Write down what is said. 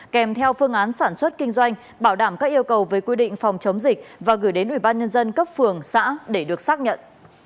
kèm theo phương án sản xuất kinh doanh bảo đảm các yêu cầu về quy định phòng chống dịch và gửi đến ủy ban nhân dân cấp phường xã để được xác nhận